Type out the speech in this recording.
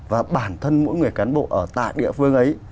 và bản thân mỗi người cán bộ ở tại địa phương ấy